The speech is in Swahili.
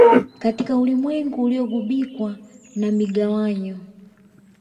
Katika ulimwengu uliogubikwa na migawanyiko